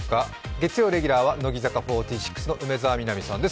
月曜レギュラーは乃木坂４６の梅澤美波さんです。